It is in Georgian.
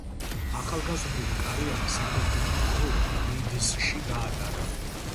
ახალგაზრდული კარიერა საფეხბურთო კლუბ „ლიდზში“ გაატარა.